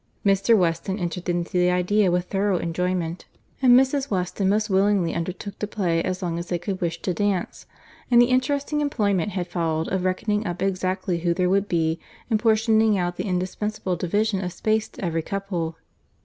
Mr. Weston entered into the idea with thorough enjoyment, and Mrs. Weston most willingly undertook to play as long as they could wish to dance; and the interesting employment had followed, of reckoning up exactly who there would be, and portioning out the indispensable division of space to every couple.